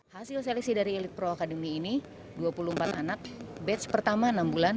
hasil seleksi dari elite pro academy ini dua puluh empat anak batch pertama enam bulan